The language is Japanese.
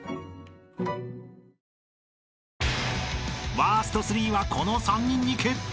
［ワースト３はこの３人に決定！］